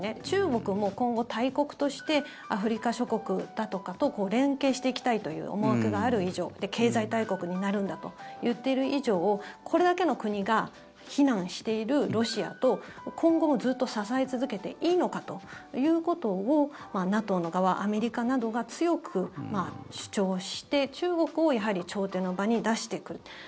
中国も今後、大国としてアフリカ諸国だとかと連携していきたいという思惑がある以上経済大国になるんだと言っている以上これだけの国が非難しているロシアと今後もずっと支え続けていいのかということをＮＡＴＯの側、アメリカなどが強く主張して中国をやはり調停の場に出してくる。